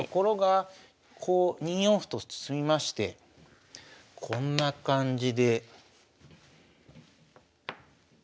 こう２四歩と進みましてこんな感じで。